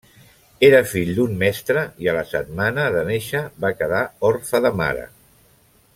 Era fill d'un mestre i a la setmana de néixer va quedar orfe de mare.